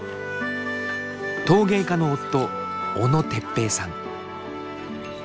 陶芸家の夫小野哲平さん。